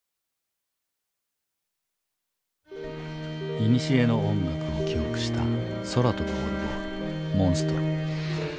いにしえの音楽を記憶した空飛ぶオルゴール「モンストロ」。